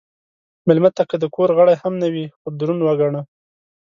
مېلمه ته که د کور غړی هم نه وي، خو دروند وګڼه.